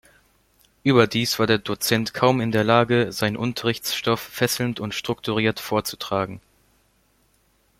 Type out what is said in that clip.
Überdies war der Dozent kaum in der Lage, seinen Unterrichtsstoff fesselnd und strukturiert vorzutragen.